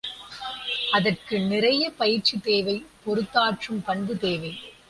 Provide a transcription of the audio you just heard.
அதற்கு நிறையப் பயிற்சி தேவை பொறுத்தாற்றும் பண்பு தேவை.